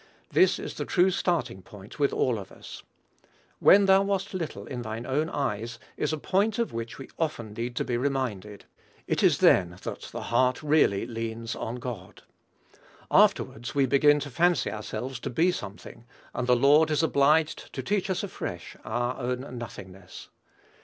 This is the true starting point with all of us. "When thou wast little in thine own eyes," is a point of which we often need to be reminded. It is then that the heart really leans on God. Afterwards we begin to fancy ourselves to be something, and the Lord is obliged to teach us afresh our own nothingness.